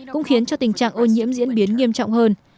cũng khiến cho tình trạng ô nhiễm diễn biến nghiêm trọng hơn